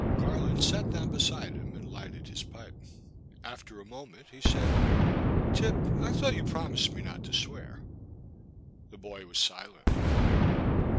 Garland sat down beside him and lighted his pipe. After a moment he said :" Tip, I thought you promised me not to swear." The boy was silent.